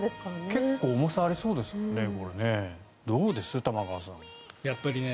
結構重さありそうですよね。